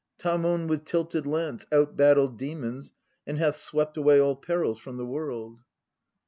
Tamon with tilted lance Outbattled demons and hath swept away All perils from the world.